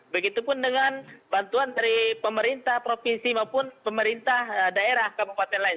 begitupun dengan bantuan dari pemerintah provinsi maupun pemerintah daerah kabupaten lain